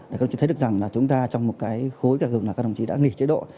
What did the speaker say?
để các đồng chí thấy được rằng chúng ta trong một khối cả hướng là các đồng chí đã nghỉ chế độ